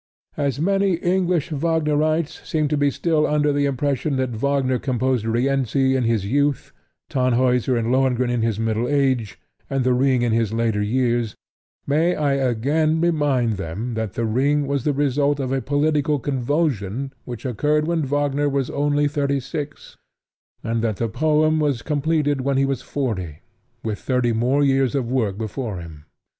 As many English Wagnerites seem to be still under the impression that Wagner composed Rienzi in his youth, Tannhauser and Lohengrin in his middle age, and The Ring in his later years, may I again remind them that The Ring was the result of a political convulsion which occurred when Wagner was only thirty six, and that the poem was completed when he was forty, with thirty more years of work before him?